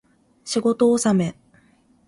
仕事納め